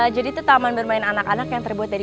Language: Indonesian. jadi tuh taman bermain anak anak yang terbuat dari